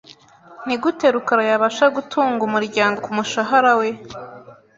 Nigute rukara yabasha gutunga umuryango kumushahara we?